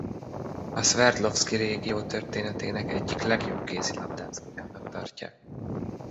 A Szverdlovszki régió történetének egyik legjobb kézilabdázójának tartják.